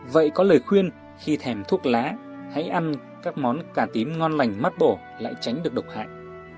vậy có lời khuyên khi thèm thuốc lá hãy ăn các món cá tím ngon lành mát bổ lại tránh được độc hại